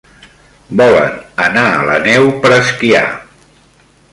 Volen anar a la neu per esquiar.